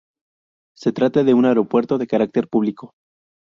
Se trata de un aeropuerto de carácter público.